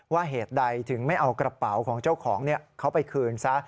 เหตุใดถึงไม่เอากระเป๋าของเจ้าของเขาไปคืนซะ